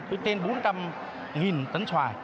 tới tên bốn trăm linh nghìn tấn xoài